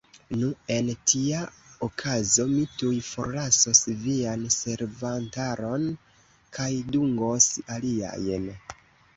Nu, en tia okazo mi tuj forlasos vian servantaron kaj dungos aliajn.